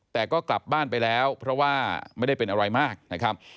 แต่ก็กลับบ้านไปแล้วเพราะว่าไม่ได้เป็นอะไรมากนะครับ